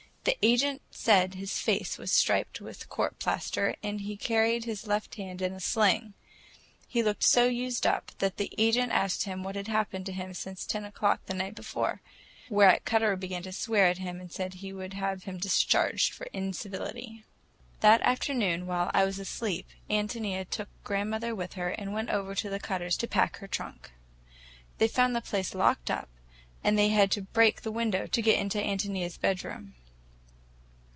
The agent said his face was striped with court plaster, and he carried his left hand in a sling. He looked so used up, that the agent asked him what had happened to him since ten o'clock the night before; whereat Cutter began to swear at him and said he would have him discharged for incivility. That afternoon, while I was asleep, Ántonia took grandmother with her, and went over to the Cutters' to pack her trunk. They found the place locked up, and they had to break the window to get into Ántonia's bedroom.